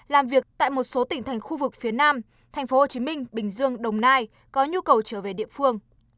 làm việc tại một số tỉnh thành khu vực phía nam tp hcm bình dương đồng nai có nhu cầu trở về địa phương